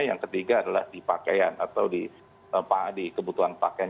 yang ketiga adalah di pakaian atau di kebutuhan pakaian